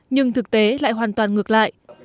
nhưng thực tế lại hoàn toàn ngược lại